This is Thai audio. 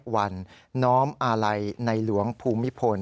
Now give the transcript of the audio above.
วันน้อมอาลัยในหลวงภูมิพล